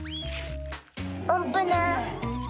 おんぷなー？